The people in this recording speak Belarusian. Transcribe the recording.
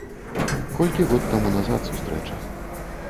Колькі год таму назад сустрэча.